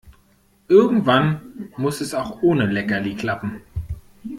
Irgendwann muss es auch ohne Leckerli klappen.